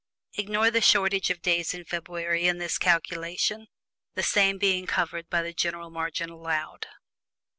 Ignore the shortage of days of February in this calculation, the same being covered by the general margin allowed.